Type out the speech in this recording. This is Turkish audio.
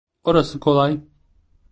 Orası kolay.